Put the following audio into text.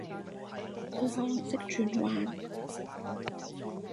佢可能識轉彎？